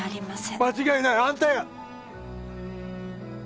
間違いないあんたや